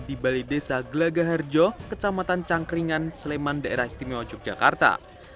di balai desa gelagaharjo kecamatan cangkringan sleman daerah istimewa yogyakarta